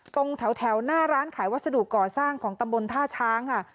ตรงแถวหน้าร้านขายวัสดุก่อสร้างของตำบลท่าช้างค่ะ